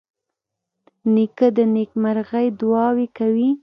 نیکه د نیکمرغۍ دعاوې کوي.